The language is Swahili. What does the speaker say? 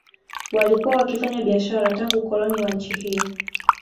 Walikuwa wakifanya biashara tangu ukoloni wa nchi hiyo